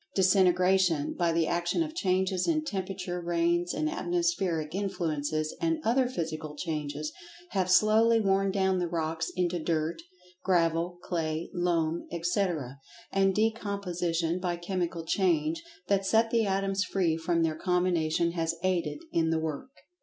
Disintegration, by the action of changes in temperature, rains and atmospheric influences, and other Physical Changes, have slowly worn down the rocks into "dirt," gravel, clay, loam, etc. And Decomposition by Chemical Change that set the atoms free from their combinations has aided in the work.